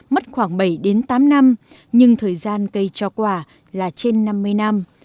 mất khoảng bảy tám năm nhưng thời gian cây cho quả là trên năm mươi năm